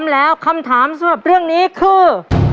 แล้วคำถามสำหรับเรื่องนี้คือ